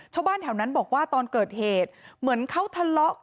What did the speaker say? ชาวบ้านแถวนั้นบอกว่าตอนเกิดเหตุเหมือนเขาทะเลาะ